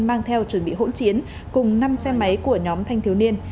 mang theo chuẩn bị hỗn chiến cùng năm xe máy của nhóm thanh thiếu niên